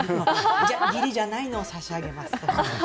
じゃあ義理じゃないのを差し上げます。